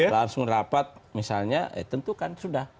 langsung rapat tentu kan sudah